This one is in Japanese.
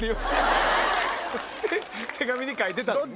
手紙に書いてたのね。